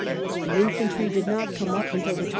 The infantry did not come up until the 21st.